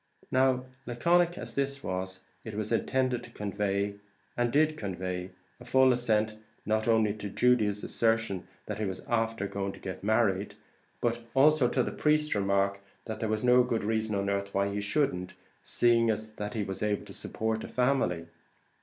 Now, laconic as this was, it was intended to convey, and did convey, a full assent not only to Judy's assertion that he was "afther going to get married," but also to the priest's remark, that there was no good reason on earth why he shouldn't, seeing that he was able to support a family.